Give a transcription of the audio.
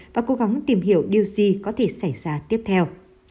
và cố gắng tìm hiểu điều gì có thể xảy ra tiếp theo